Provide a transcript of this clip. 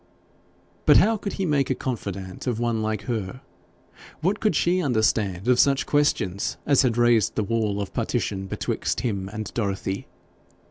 But how could he make a confidante of one like her? What could she understand of such questions as had raised the wall of partition betwixt him and Dorothy?